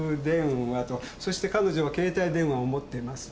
そして彼女は携帯電話を持っています。